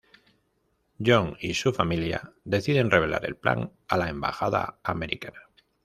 John y su familia deciden revelar el plan a la embajada americana.